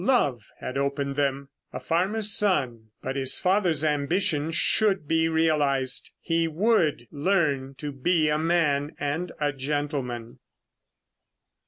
Love had opened them. A farmer's son. But his father's ambition should be realised. He would learn to be a man and a gentleman.